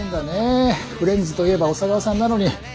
フレンズといえば小佐川さんなのに。